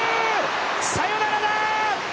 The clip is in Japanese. サヨナラだー！